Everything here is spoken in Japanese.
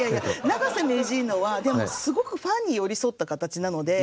永瀬名人のはでもすごくファンに寄り添った形なので。